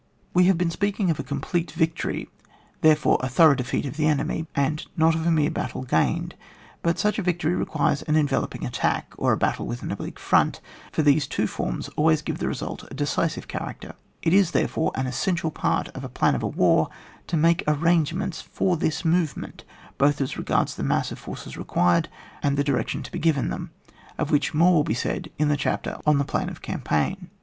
We have been speaking of a complete victory, therefore of a thorough defeat of the enemy, and not of a mere battle gained. But such a victory requires an enveloping attack, or a battle with an oblique front, for these two forms always give the result a decisive character. It is there fore an essential part of a plan of a war to make arrangements for this move ment, both as regards the mass of forces required and the direction to be given CHAP. IX.] FLAN OF WAR FOR DESTRUCTION OF THE ENEMY. 83 them, of wHcli more will be said in the chapter on the plan of campaign.